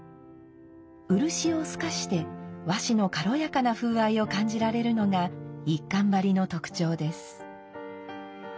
漆を透かして和紙の軽やかな風合いを感じられるのが一閑張の特徴です。